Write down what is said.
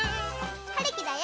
はるきだよ。